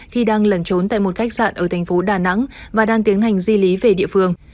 khi đang lẩn trốn tại một khách sạn ở thành phố đà nẵng và đang tiến hành di lý về địa phương